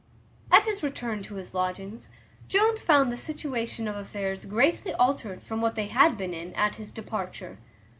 At his return to his lodgings, Jones found the situation of affairs greatly altered from what they had been in at his departure.